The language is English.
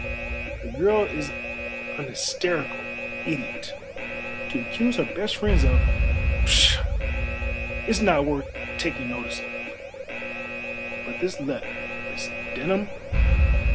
"The girl is an hysterical idiot. To accuse her best friends of pshaw! it's not worth taking notice of. But this letter, Miss Denham?"